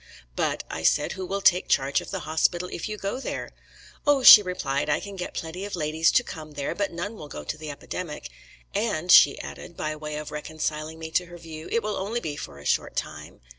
'But,' I said, 'who will take charge of the hospital if you go there?' "'Oh,' she replied, 'I can get plenty of ladies to come there, but none will go to the epidemic. And', she added, by way of reconciling me to her view, 'it will only be for a short time.'